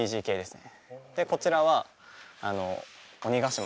こちらは「新・鬼ヶ島」。